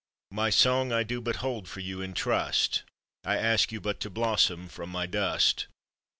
My song I do but hold for you in trust, I ask you but to blossom from my dust.